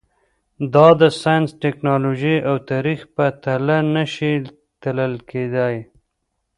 دا د ساینس، ټکنالوژۍ او تاریخ په تله نه شي تلل کېدای.